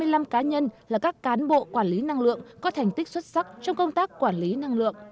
và vinh danh hai mươi năm cá nhân là các cán bộ quản lý năng lượng có thành tích xuất sắc trong công tác quản lý năng lượng